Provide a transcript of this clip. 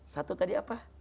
satu tadi apa